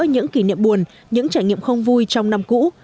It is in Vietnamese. những kỷ niệm buồn những trải nghiệm không vui trong năm cũ